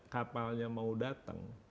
kapalnya mau datang